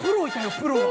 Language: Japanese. プロが！